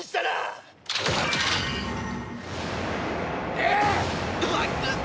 えっ？